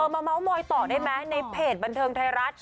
มาเมาส์มอยต่อได้ไหมในเพจบันเทิงไทยรัฐ